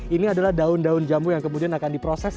ini adalah daun daun jambu yang kemudian akan diproses